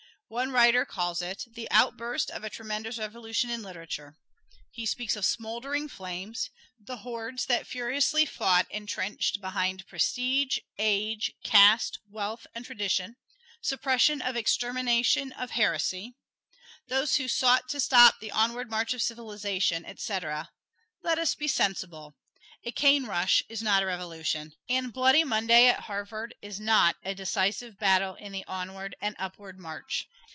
One writer calls it "the outburst of a tremendous revolution in literature." He speaks of "smoldering flames," "the hordes that furiously fought entrenched behind prestige, age, caste, wealth and tradition," "suppression and extermination of heresy," "those who sought to stop the onward march of civilization," etc. Let us be sensible. A "cane rush" is not a revolution, and "Bloody Monday" at Harvard is not "a decisive battle in the onward and upward march."